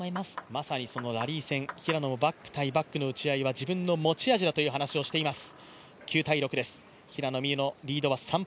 まさにラリー戦、平野もバック対バックの打ち合いは自分の持ち味だという話をしています。